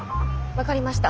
分かりました。